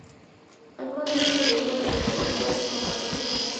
Algunos de ellos sobreviven hasta nuestros días con sus anotaciones marginales.